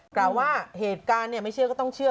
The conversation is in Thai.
กล่าวว่าเหตุการณ์ไม่เชื่อก็ต้องเชื่อ